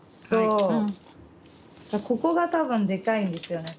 ここが多分でかいんですよね。